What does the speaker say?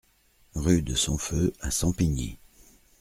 Rue de Sompheu à Sampigny